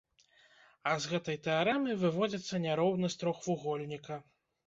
А з гэтай тэарэмы выводзіцца няроўнасць трохвугольніка.